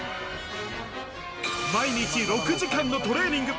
毎日６時間のトレーニング。